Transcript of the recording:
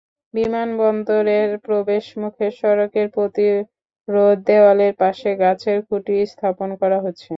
বিমানবন্দরের প্রবেশমুখে সড়কের প্রতিরোধ দেয়ালের পাশে গাছের খুঁটি স্থাপন করা হচ্ছে।